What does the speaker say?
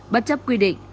bất chấp quy định